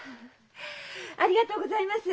ありがとうございます。